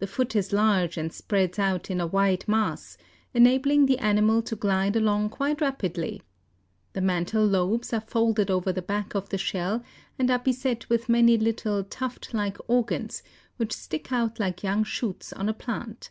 The foot is large and spreads out in a wide mass, enabling the animal to glide along quite rapidly. The mantle lobes are folded over the back of the shell and are beset with many little tuft like organs which stick out like young shoots on a plant.